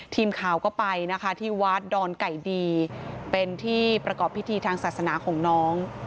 ทีมข่าวก็ไปนะคะที่วัดดอนไก่ดีเป็นที่ประกอบพิธีทางศาสนาของน้อง